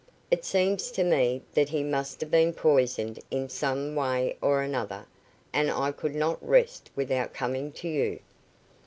"It seems to me that he must have been poisoned in some way or another, and I could not rest without coming to you."